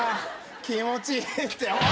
気持ちいいっておい！